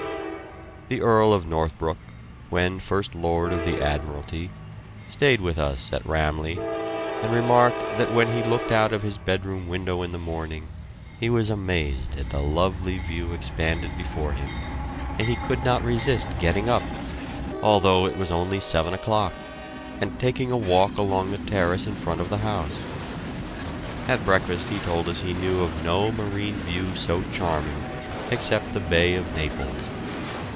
The Earl of Northbrook, when First Lord of the Admiralty, stayed with us at "Ramleh," and remarked that when he looked out of his bedroom window in the morning he was amazed at the lovely view expanded before him, and could not resist getting up, although it was only seven o'clock, and taking a walk along the terrace in front of the house. At breakfast he told us he knew of no marine view so charming except the Bay of Naples.